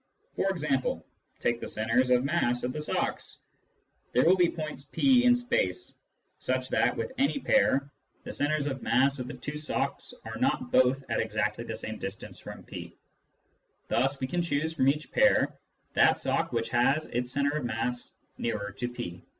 For example, take the centres of mass of the socks : there will be points p in space such that, with any Selections and the Multiplicative Axiom 127 pair, the centres of mass of the two socks are not both at exactly the same distance from p ; thus we can choose, from each pair, that sock which has its centre of mass nearer to p.